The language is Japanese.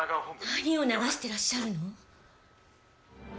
何を流してらっしゃるの？